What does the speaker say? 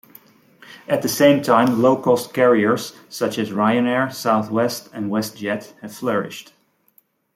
At the same time, low-cost carriers such as Ryanair, Southwest and Westjet have flourished.